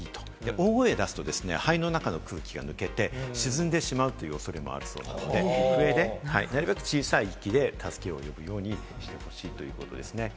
大声を出すと、肺の中の空気が抜けて、沈んでしまう恐れがあるそうなので、笛で、なるべく小さい息で助けを呼ぶようにしてほしいということです。